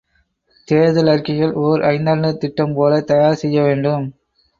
தேர்தல் அறிக்கைகள், ஒர் ஐந்தாண்டுத் திட்டம் போலத் தயார் செய்யவேண்டும்.